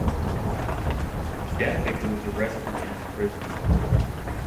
Dethick was arrested and imprisoned.